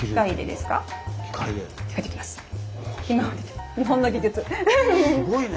すごいね！